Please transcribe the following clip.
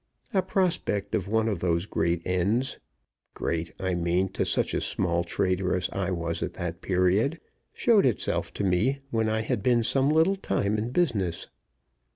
A prospect of one of those great ends great, I mean, to such a small trader as I was at that period showed itself to me when I had been some little time in business.